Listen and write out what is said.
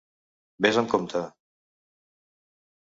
Ves amb compte.